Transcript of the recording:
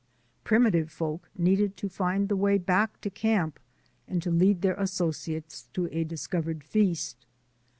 Primitive folk needed to find the way back to camp and to lead their associates to a discovered feast.